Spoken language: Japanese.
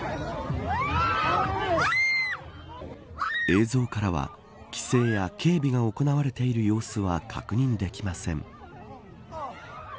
映像からは規制や警備が行われている様子は確認できません。